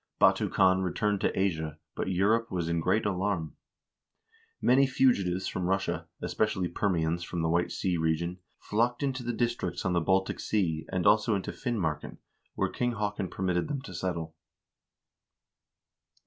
Batu Khan returned to Asia, but Europe was in great alarm. Many fugitives from Russia, especially Permians from the White Sea region, flocked into the districts on the Baltic Sea, and also into Finmarken, where King Haakon permitted them to settle.